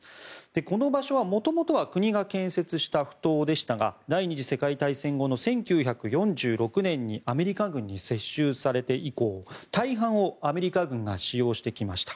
この場所は元々は国が建設したふ頭でしたが第２次世界大戦後の１９４６年にアメリカ軍に接収されて以降大半をアメリカ軍が使用してきました。